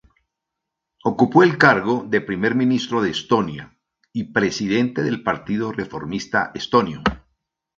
Ocupó el cargo de primer ministro de Estonia, y presidente del Partido Reformista Estonio.